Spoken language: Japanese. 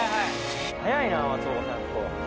早いな松岡さん。